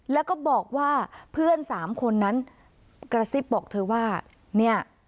แล้วก็บอกว่าเพื่อนสามคนนั้นกระซิบบอกเธอว่าเนี่ย